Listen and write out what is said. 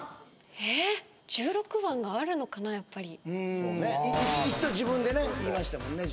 えっ１６番があるのかなやっぱりうん一度自分でね言いましたもんね